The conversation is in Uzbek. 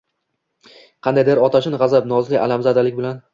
qandaydir otashin gʼazab, nozli alamzadalik bilan.